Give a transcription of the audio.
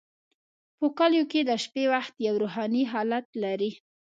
په کلیو کې د شپې وخت یو روحاني حالت لري.